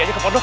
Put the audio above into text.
yah ke bawah